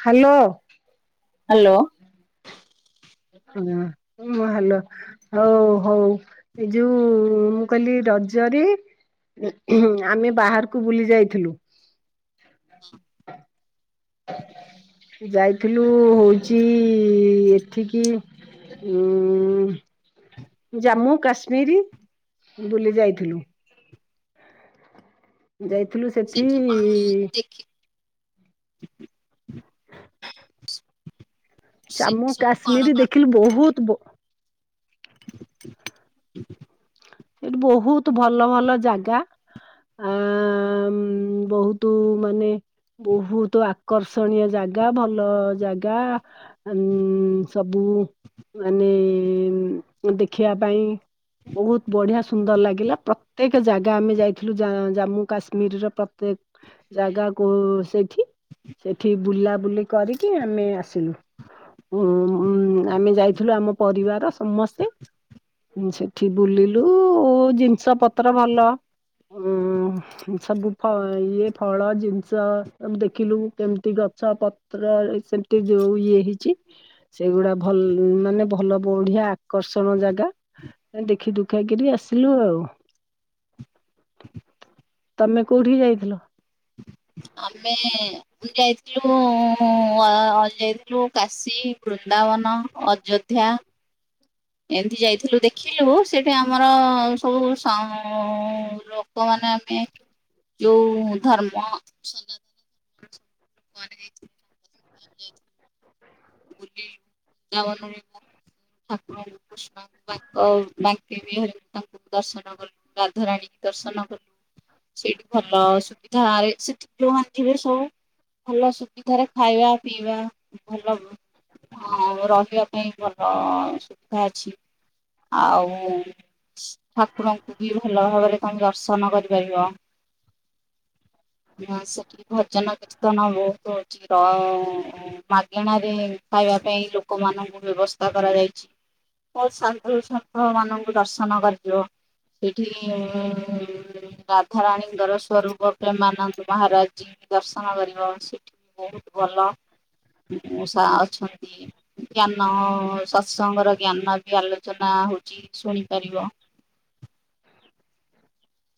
Hello. Hello. ହୁଁ ହଁ hello. ହଉ ହଉ ଏ ଯୋଉ ମୁଁ କହିଲି ରଜରେ ଆମେ ବାହାରକୁ ବୁଲି ଯାଇଥିଲୁ। ଯାଇଥିଲୁ ହଉଚି ଏଠିକି ଉ ଜାମ୍ମୁ କାଶ୍ମୀର ବୁଲି ଯାଇଥିଲୁ। ଯାଇଥିଲୁ ସେଠି ସେଠି ଜାମ୍ମୁ ସବୁ କଣ କାଶ୍ମୀର କଣ ଦେଖିଲି ବହୁତ ସେଇଠି ବହୁତ ଭଲ ଭଲ ଜାଗା। ଆ ବହୁତ ମାନେ ବହୁତ ଆକର୍ଷଣୀୟ ଜାଗା ଭଲ ଜାଗା ଆ ଉଁ ଉଁ ଉଁ ସବୁ ମାନେ ମୁଁ ଦେଖିବା ପାଇଁ ବହୁତ ବଢିଆ ସୁନ୍ଦର ଲାଗିଲା ପ୍ରତ୍ୟେକ ଜାଗା ଆମେ ଯାଇଥିଲୁ ଜାମ୍ମୁ କାଶ୍ମୀରର ପ୍ରତ୍ୟେକ ଜାଗା କୁ ସେଇଠି ସେଠି ବୁଲାବୁଲି କରିକି ଆମେ ଆସିଲୁ। ଉଁ ଆମେ ଯାଇଥିଲୁ ଆମ ପରିବାର ସମସ୍ତେ। ସେଠି ବୁଲିଲୁ ଜିନିଷ ପତ୍ର ଭଲ ଉଁ ସବୁ ଇଏ ଫଳ ଜିନିଷ ଦେଖିଲୁ କେମତି ଗଛ ପ ତୋର ରିସେଣ୍ଟଲି ଯୋଉ ଇଏ ହେଇଛି। ସେଗୁଡା ଭଲ ମାନେ ଭଲ ବଢିଆ ଆକର୍ଷଣ ଜାଗା ଆଁ ଦେଖିଦ ଦୁଖା କିରି ଆସିଲୁ ଆଉ ତମେ କୋଉଠି କି ଯାଇଥିଲ। ଆମେ। ବୁଲି ଯାଇଥିଲୁ ଆ ଯାଇଥିଲୁ କାଶୀ ବୃନ୍ଦାବନ ଅଯୋଧ୍ୟା। ଏମିତି ଯାଇଥିଲୁ ଦେଖିଲୁ ସେଇଠି ଆମର ସବୁ ସା ଲୋ ଲୋକମାନେ ଆମେ ଯୋଉ ଧର୍ମ ସନା କୁଆଡେ ଯାଇଥିଲୁ। ବୁଲି ବୃନ୍ଦାବନ ଘରିକା। [unintelligible] ତାଙ୍କୁ ଦର୍ଶନ କଲୁ ରାଧ ରାଣୀ ଙ୍କି ଦର୍ଶନ କଲୁ। ସେଇଠି ଭଲ ସୁବିଧାରେ ସେଠି [unintelligible] ଭଲ ସୁବିଧାରେ ଖାଇବା ପିଇବା ଭଲ। ହଁ ରହିବା ପାଇଁ ଭଲ ସୁବିଧା ଅଛି। ଆଉ ଠାକୁରଙ୍କୁ ବି ଭଲ ଭାବରେ ତମେ ଦର୍ଶନ କରିପାରିବ। ହଁ ସେଠି ବି ଭଜନ କୀର୍ତ୍ତନ ବହୁତ ହଉଛି ର ମାଗେଣାରେ ଖାଇବା ପାଇଁ ଲୋକମାନଙ୍କୁ ବ୍ୟବସ୍ଥା କରାଯାଇଛି। ବହୁତ ଶାଧୁ ଶନ୍ଥ ମାନଙ୍କୁ ଦର୍ଶନ କରିିବ। ସେଠି ଉଁ ରାଧାରାଣୀଙ୍କ ର ସ୍ୱରୂପ ପ୍ରେମା ନନ୍ଦ ମହାରାଜି ଙ୍କୁ ଦର୍ଶନ କରିବ ସେଠି ବି ବହୁତ ଭଲ। [unintelligible] ଷା ଆଛନ୍ତି ଜ୍ଞାନ ସତ୍ସଙ୍ଗର ଜ୍ଞାନ ବି ଆଲୋଚନା ହଉଛି ଶୁଣିପାରିବ।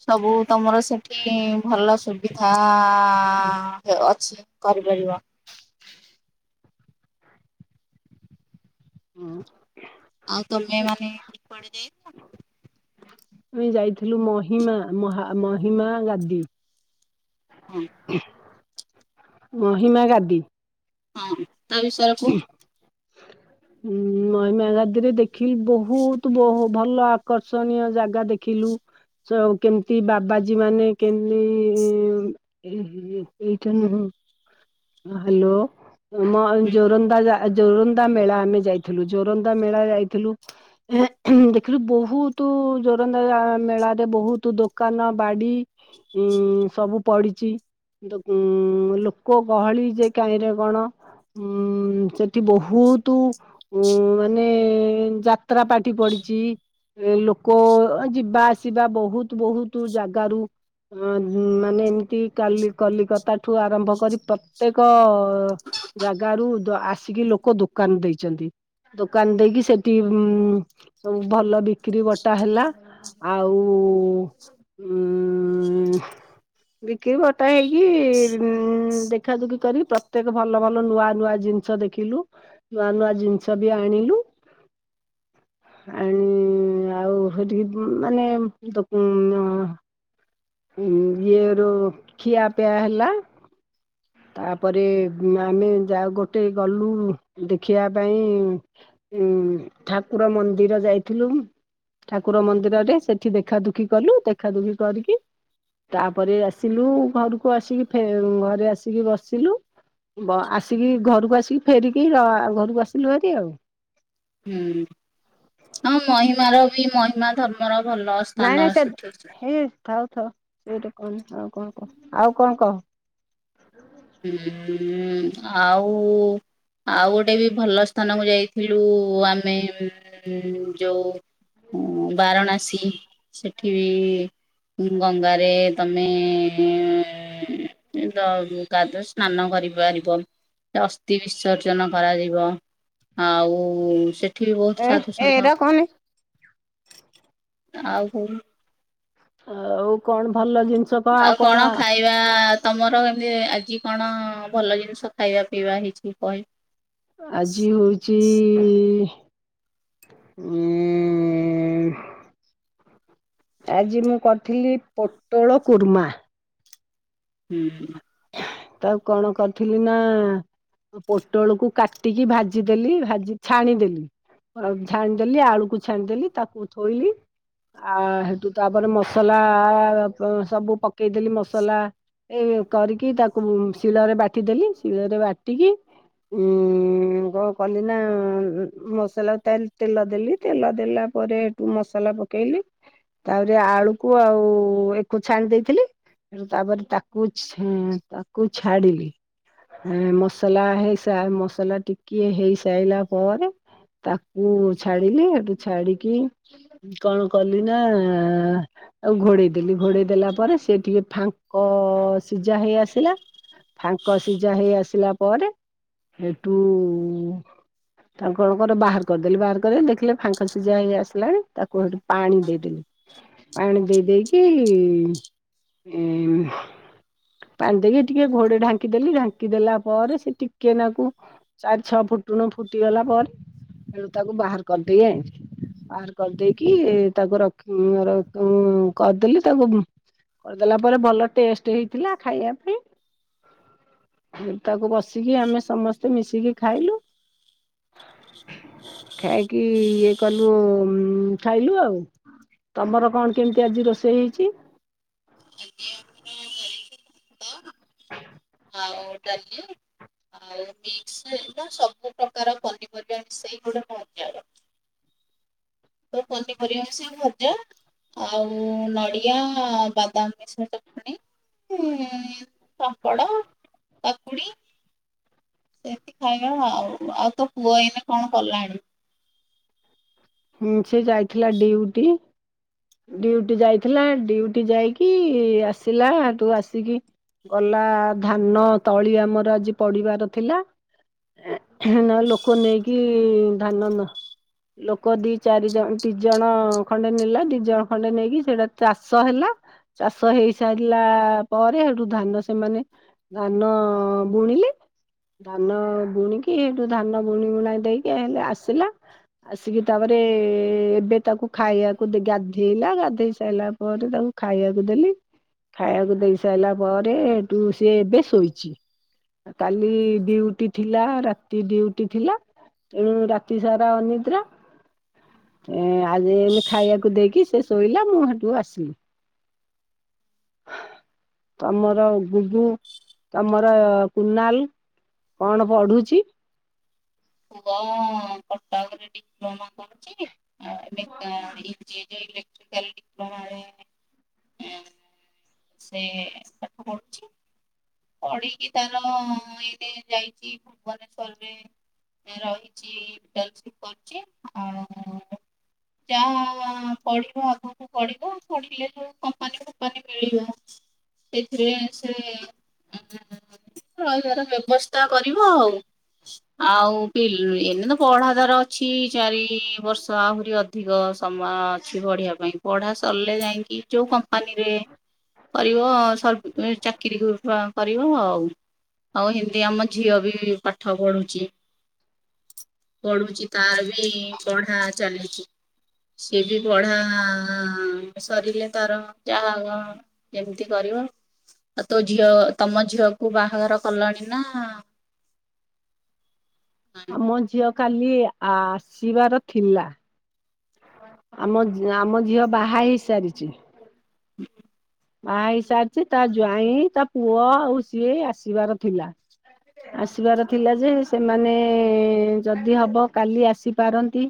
ସବୁ ତମର ସେଠି ଭଲ ସୁବିଧା ଅଛି। କରିପାରିବ। ଉଁ। ଆଉ ତମେ ମାନେ କୁଆଡେ ଯାଇଛି। ଆମେ ଯାଇଥିଲୁ ମହିମା ମହା ମହିମା ଗାଦି। ହୁଁ। ମହିମା ଗାଦି। ହଁ ତା ବିଷୟରେ କୁହ। [inaudible] ହୁଁ ମହିମା ଗାଦିରେ ଦେଖିଲୁ ବହୁତ ବହୁ ଭଲ ଆକର୍ଷଣୀୟ ଜାଗା ଦେଖିଲୁ। ସବୁ କେମିତି ବାବାଜୀ ମାନେ କେମିତି। [unintelligible] ଆଉ ଜୋରନ୍ଦା ମେଳା ଆମେ ଯାଇଥିଲୁ ଜୋରନ୍ଦା ମେଳା ଯାଇଥିଲୁ। ଦେଖିଲୁ ବହୁତ ଜୋରନ୍ଦା ମେଳାରେ ବହୁତ ଦୋକାନ ବାଡି। ଉଁ ସବୁ ପଢିଚି। ଉଁ ଲୋକ ଗହଳି ଯେ କାହିଁରେ କଣ। ହୁଁ ସେଠି ବହୁତୁ। ଉଁ ମାନେ ଯାତ୍ରା ପାଟି ପଡିଛି। ଏ ଲୋକ ଯିବା ଆସିବା ବହୁତ ବହୁତ ଜାଗାରୁ। ହଁ ମାନେ ଏମିତି କାଲି କଲିକତା ଠୁ ଆରମ୍ଭ କରି ପ୍ରତ୍ୟେକ। ଜାଗରୁ ଦୋ ଆସିକି ଲୋକ ଦୋକାନ ଦେଇଛନ୍ତି। ଦୋକାନ ଦେଇକି ସେଠି ଉଁ ସବୁ ଭଲ ବିକ୍ରି ବଟା ହେଲା। ଆଉ ଉଁ ବିକିବଟା ହେଇକି ଉଁ ଦେଖା ଦୁଖି କରିକି ପ୍ରତ୍ୟେକ ଭଲ୍ ଲ ଭଲ ନୂଆ ନୂଆ ଜିନିଷ ଦେଖିଲୁ ନୂଆ ନୂଆ ଜିନିଷ ବି ଆଣିଲୁ। [inaudible] ଆଣି ଆଉ ହେଠିକି ମାନେ [unintelligible] ଉଁ ଇଏ ରୁ ଖିଆପିଆ ହେଲା। ତାପରେ ଆମେ ଯାଉ ଗୋଟେ ଗଲୁ ଦେଖିଆ ପାଇଁ ହୁଁ ଠାକୁର ମନ୍ଦିର ଯାଇଥିଲୁ। ଠାକୁର ମନ୍ଦିରରେ ସେଠି ଦେଖା ଦୁଖି କଲୁ ଦେଖା ଦୁଖି କରିକି ତାପରେ ଆସିଲୁ ଘରୁକୁ ଆସିକି ଫେ ଘରେ ଆସି କି ବସିଲୁ ବ ଆସିକି ଘରୁକୁ ଆସିକି ଫେରିକି ଆ ଘରକୁ ଆସିଲୁ ଭାରି ଆଉ। ହୁଁ ହଁ ମହିମାର ବି ମହିମା ଧର୍ମର ଭଲ। ନାଇଁ ସ୍ଥାନ ନାଇଁ ସେ ସେଠି ଅଛି। ହେଇ ଥାଉ ଥାଉ ସେଇଟୁ କନ ଆଉ କଣ କହ ଆଉ କଣ କହ? ହୁଁ ଆଉ ଆଉ ଗୋଟେ ବି ଭଲ ସ୍ଥାନକୁ ଯାଇଥିଲୁ ଆମେ ଉଁ ଯୋଉ ହୁଁ ବାରଣାସୀ ସେଠି ବି ଉଁ ହୁଁ ଗଙ୍ଗାରେ ତମେ ତ ଗାଦ ସ୍ନାନ କରିପାରିବ ସେ ଅସ୍ଥି ବିସର୍ଜନ କରାଯିବ। ଆଉ ସେଠି ବି ବହୁତ ଏ ସାଧୁସନ୍ଥ ଏଇଟା କହନି। ଆଉ କହୁନୁ? ଆଉ କଣ ଭଲ ଜିନିସ୍ ଆଉ କଣ ଖାଇ ଆ ତମର ଏମତି ଆଜି କଣ ଭଲ ଜିନିଷ ଖାଇବା ପିଇବା ହେଇଛି କହି ଆଜି ହଉଚି ଏଁ ଆଜି ମୁଁ କରିଥିଲି ପୋଟଳ କୁର୍ମା। ହୁଁ ହୁଁ। ତ ଆଉ କଣ କରିଥିଲି ନା ପୋଟଳ କୁ କାଟିକି ଭାଜିଦେଲି ଭାଜି ଛାଣିଦେଲି। ଆଉ ଝାଣିଦେଲି ଆଳୁକୁ ଛାଣିଦେଲି ତାକୁ ଥୋଇଲି। ଆ ହେଟୁ ତାପରେ ମସଲା ପ ସବୁ ପକେଇଦେଲି ମସଲା। ଏ କରିକି ତାକୁ ମୁଁ ଶିଳରେ ବାଟିଦେଲି ଶିଳେରେ ବାଟିକି ଉଁ କଣ କଲି ନା ମସଲା ତେଲ୍-ତେଲ ଦେଲି। ତେଲ ଦେଲା ପରେ ହେଟୁ ମସଲା ପକେଇଲି। ତାପରେ ଆଳୁକୁ ଆଉ ଏକୁ ଛାଣି ଦେଇଥିଲି ହେଟୁ ତାପରେ ତାକୁ ହୁଁ ତାକୁ ଛାଡିଲି। ହଁ ମସଲା ହେଇ ସା ମସଲା ଟିକିଏ ହେଇ ସାଇଲା ପରେ ତାକୁ ଛାଡିଲି ଏଠୁ ଛାଡିକି କଣ କଲି ନା ତାକୁ ଘୋଡେଇ ଦେଲି ଘୋଡେଇ ଦେଲା ପରେ ସେ ଟିକେ ଫାଙ୍କ ସିଜା ହେଇ ଆସିଲା ଫାଙ୍କ ସିଜା ହେଇ ଆସିଲା ପରେ ହେଇଟୁ ତାକୁ କଣ କରେ ବାହାର କରିଦେଲି ବାହାର କରି ଦେଖିଲେ ଫାଙ୍କ ସିଝା ହେଇ ଆସିଲାଣି ତାକୁ ହେଇଟୁ ପାଣି ଦେଇ ଦେଲି। ପାଣି ଦେଇ ଦେଇକି ଏଁ ପାଣି ଦେଇକି ଟିକେ ଘୋଡେ ଢାଙ୍କିଦେଲି ଢାଙ୍କି ଦେଲା ପରେ ସେ ଟିକେ ନାକୁ ଚାରି ଛଅ ଫୁଟୁଣ ଫୁଟିଗଲା ପରେ ହେଉଟୁ ତାକୁ ବାହାର କରିଦେଇକି ଆଇଁଲି। ବାହାର କରିଦେଇକି ତାକୁ ରଖ୍ ଉଁ ରଖ୍ ଉଁ କରିଦେଲେ ତାକୁ ଉଁ କରିଦେଲା ପରେ ଭଲ ଟେଷ୍ଟ ହେଇଥିଲା ଖାଇବା ପାଇଁ। ତାକୁ ବସିକି ଆମେ ସମସ୍ତେ ମିଶିକି ଖାଇଲୁ। ଖାଇକି ଇଏ କଲୁ, ଖାଇଲୁ ଆଉ। ତମର କଣ କେମିତି ଆଜି ରୋଷେଇ ହେଇଛି? ଆଜି ଆମର କରିଚି ଭାତ ଆଉ ଡାଲି ଆଉ ବିମ୍ସ ହେରିକା ସବୁ ପ୍ରକାର ପନିପରିବା ମିଶେଇକି ଗୋଟେ ଭଜାର। ସବୁ ପନିପରିବା ମିଶେଇ ଭଜା ଆଉ ନଡ଼ିଆ, ବାଦାମ ମିଶା ଚଟଣି ହୁଁ ପାମ୍ପଡ, କାକୁଡି ଏମିତି ଖାଇବା ଆଉ, ଆଉ ତୋ ପୁଅ ଏଇନା କଣ କଲାଣି? ହୁଁ, ସେ ଯାଇଥିଲା ଡିଉଟି। ଡିଉଟି ଯାଇଥିଲା, ଡ୍ୟୁଟି ଯାଇକି ଆସିଲା ହେଠୁ ଆସି କି ଗଲା ଧାନ ତଳି ଆମର ଆଜି ପଡିବାର ଥିଲା। ନା ଲୋକ ନେଇକି ଧାନ ନ ଦି, ଚାରି ଜଣ ଦି ଜଣ ଖଣ୍ଡେ ନେଲା ଦି ଜଣ ଖଣ୍ଡେ ନେଇକି ସେଇଟା ଚାଷ ହେଲା। ଚାଷ ହେଇସାରିଲା ପରେ, ସେଠୁ ଧାନ ସେମାନେ ଧାନ ବୁଣିଲେ। ଧାନ ବୁଣିକି ସେଇଠୁ ଧାନ ବୁଣି ବୁଣାଇ ଦେଇକି ହେଲେ ଆସିଲା ଆସିକି ତାପରେ ଏବେ ତାକୁ ଖାଇବାକୁ ଦେଇ ଗାଧେଇଲା, ଗାଧେଇ ସାରିଲା ପରେ ତାକୁ ଖାଇଆକୁ ଦେଲି ଖାଇବାକୁ ଦେଇ ସାରିଲା ପରେ, ଏଠୁ ସିଏ ଏବେ ଶୋଇଛି। କାଲି ଡ୍ୟୁଟି ଥିଲା, ରାତି ଡ୍ୟୁଟି ଥିଲା। ଏଣୁ ରାତି ସାରା ଅନିଦ୍ରା। ଆଜି ଏଇନେ ଖାଇବାକୁ ଦେଇକି ସେ ଶୋଇଲା, ମୁଁ ହେଠୁ ଆସିଲି। ତମର ବୁବୁ, ତମର କୁନାଲ କଣ ପଢୁଛି? [unintelligible] ଡିପ୍ଲୋମା [unintelligible] ଯିଏ ଯୋଉ ଇଲେକ୍ଟ୍ରି [unintelligible] ସେ ପାଠ ପଢୁଛି। ପଢିକି ତାର ଏଇନେ ଯାଇଛି ଭୁବନେଶ୍ୱରରେ ରହିଛି [unintelligible] କରୁଛି, ଆଉ ଯାହା ପଢିବ ଆଗକୁ ପଢିବ ପଢିଲେ, ଯୋଉ କମ୍ପାନୀ ଫମ୍ପାନୀ ମିଳିବ ସେଇଥିରେ ସେ ରହିବାର ବ୍ୟବସ୍ଥା କରିବ ଆଉ। ଆଉ ଏଇନେ ତ ପଢା ତାର ଅଛି, ଚାରି ବର୍ଷ ଆହୁରି ଅ ଅଧିକ ସମୟ ଅଛି ପଢ଼ିବା ପାଇଁ, ପଢ଼ା ସରିଲେ ଯାଇକି ଯୋଉ କମ୍ପାନୀରେ କରିବ, ସରି ଚାକିରି କରିବ ଆଉ। ଆଉ ହିନ୍ଦୀ ଆମ ଝିଅ ବି ପାଠ ପଢୁଛି। ପଢୁଛି ତାର ବି ପଢା ଚାଲିଚି। ସିଏ ବି ପଢା ସରିଲେ ତାର ଯାହା ଯେମିତି କରିବ, ଆଉ ତୋ ଝିଅ ତମ ଝିଅକୁ ବାହା ବାହାଘର କଲଣି ନା ମୋ ଝିଅ କାଲି ଆସିବାର ଥିଲା। ଆମ ଆମ ଝିଅ ବାହା ହେଇସାରିଚି। [inaudible] ବାହା ହେଇ ସାରିଚି ତା ଜ୍ବାଇଁ ତା ପୁଅ ଆଉ ସିଏ ଆସିବାର ଥିଲା। ଆସିବାର ଥିଲା ଯେ ସେମାନେ ଯଦି ହବ କାଲି ଆସିପାରନ୍ତି।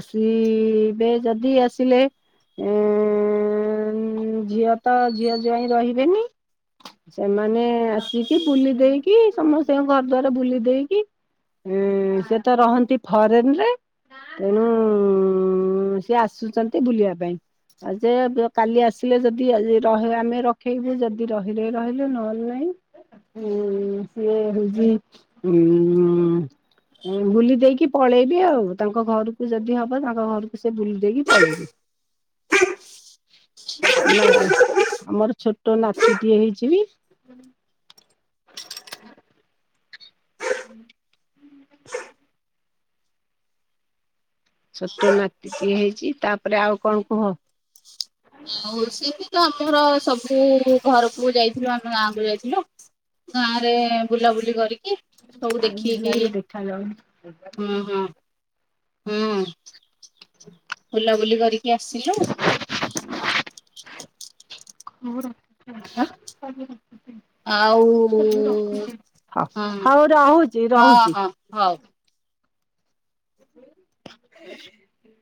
ଆସିବେ ଯଦି ଆସିଲେ ଉ ଉ ଉୁଁ ଝିଅ ତ ଝିଅ ଜ୍ବାଇଁ ରହିବେନି। ସେମାନେ ଆସିକି ବୁଲି ଦେଇକି ସମସ୍ତଙ୍କ ଘର ଦଵାର ବୁଲି ଦେଇକି ଉ ସେ ତ ରହନ୍ତି ଫରେନ୍ ରେ। ତେଣୁ ସିଏ ଆସିଛନ୍ତି ବୁଲିବା ପାଇଁ ଆ ଯେ କାଲି ଆସିଲେ ଯଦି ରହେ ଆମେ ରଖେଇବୁ ଯଦି ରହିଲେ ରହିଲେ ନହେଲେ ନାହିଁ। ଉଁ ସିଏ ହୋଉଛି ଉଁ ବୁଲି ଦେଇକି ପଳେଇବି ଆଉ ତାଙ୍କ ଘରକୁ ଯଦି ହବ ତାଙ୍କ ଘରକୁ ସେ ବୁଲି ଦେଇକି ପଳେଇବେ। ନା ଆମର ଛୋଟ ନାତି ଟିଏ ହେଇଚି। [inaudible] ହୁଁ। ଛୋଟ ନାତି ଟିଏ ହେଇଚି ତାପରେ ଆଉ କଣ କୁହ। ଆଉ ସେଠି ତ ଆମର ସବୁ ଘରକୁ ଯାଇଥିଲୁ ଆମ ଗାଁ କୁ ଯାଇଥିଲୁ। ଗାଁ ରେ ବୁଲାବୁଲି କରିକି କି ସବୁ ଟାଇମ୍ ଦେଖିକି ହେଲାଣି ଦେଖାଯାଉନି। ହୁଁ ହଁ ହୁଁ। [inaudible] ବୁଲାବୁଲି କରିକି ଆସିଲୁ। [inaudible] [unintelligible] ଆଉ ହଁ ହଁ ହଉ ରହୁଚି ରହୁଚି। ହଁ ହଉ। [inaudible]